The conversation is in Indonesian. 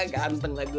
ganteng lah gue